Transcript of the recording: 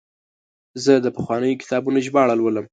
زه د پخوانیو کتابونو ژباړه لولم.